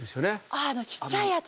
あの小っちゃいやつ。